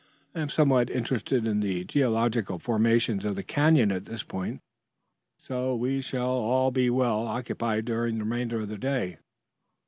I am somewhat interested in the geological formation of the canyon at this point, so we shall all be well occupied during the remainder of the day.